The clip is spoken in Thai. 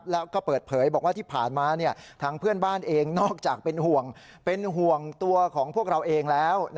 แล้วก็เปิดเผยบอกว่าที่ผ่านมาทางเพื่อนบ้านเองนอกจากเป็นห่วงเป็นห่วงตัวของพวกเราเองแล้ว